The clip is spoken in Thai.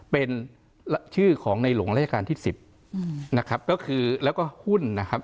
เป็นชื่อของในหลวงราชการที่สิบนะครับก็คือแล้วก็หุ้นนะครับ